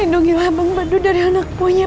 rindungi lah bang bedu dari anak peminsarnya